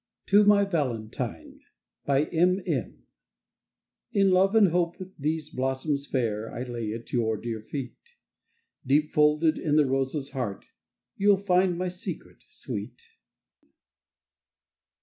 TO MY VALENTINE. BY M. M. In love and hope These blossoms fair I lay at your dear feet! Deep folded In the rose's heart You'll find my secret, sweet!